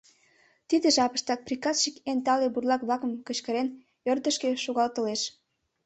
Тиде жапыштак приказчик эн тале бурлак-влакым, кычкырен, ӧрдыжкӧ шогалтылеш.